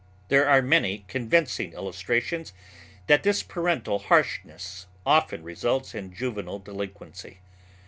There are many convincing illustrations that this parental harshness often results in juvenile delinquency.